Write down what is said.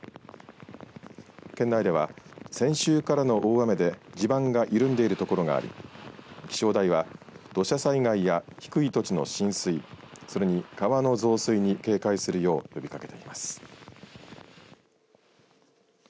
県内では先週からの大雨で地盤が緩んでいる所があり気象台は土砂災害や低い土地の浸水それに川の増水に警戒するよう呼びかけています。